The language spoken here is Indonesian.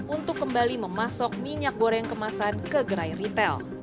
untuk kembali memasok minyak goreng kemasan ke gerai retail